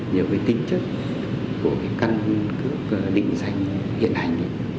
nhiều cái tính chất của cái căn cước định danh hiện hành